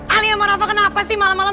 ali sama rafa kenapa sih malem malem